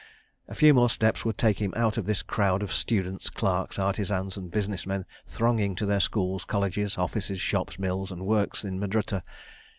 A few more steps would take him out of this crowd of students, clerks, artisans, and business men thronging to their schools, colleges, offices, shops, mills, and works in Madrutta.